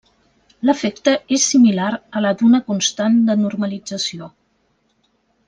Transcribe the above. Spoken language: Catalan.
L'efecte és similar a la d'una constant de normalització.